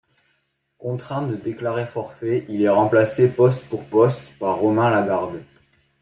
Contraint de déclarer forfait, il est remplacé poste pour poste par Romain Lagarde.